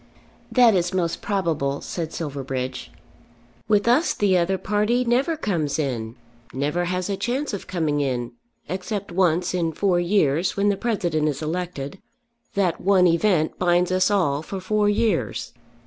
"That is most probable," said Silverbridge. "With us the other party never comes in, never has a chance of coming in, except once in four years, when the President is elected. That one event binds us all for four years."